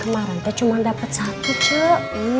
kemaren teh cuma dapet satu cok